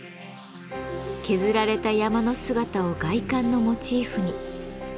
削られた山の姿を外観のモチーフに。